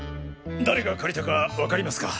誰が借りたかわかりますか？